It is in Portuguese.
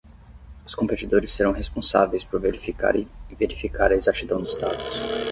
Os competidores serão responsáveis por verificar e verificar a exatidão dos dados.